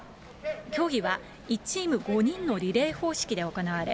競技は１チーム５人のリレー方式で行われ、